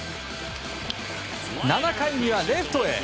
７回にはレフトへ。